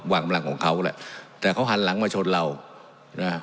วางกำลังของเขาแหละแต่เขาหันหลังมาชนเรานะฮะ